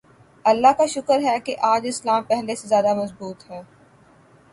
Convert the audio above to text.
اللہ کا شکر ہے کہ آج اسلام پہلے سے زیادہ مضبوط ہے۔